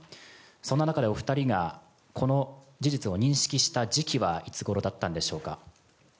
そんな中でお二人がこの事実を認識した時期はいつごろだったんでしょうか？